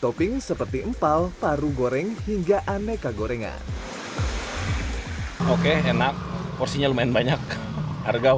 topping seperti empal paru goreng hingga aneka gorengan oke enak porsinya lumayan banyak harga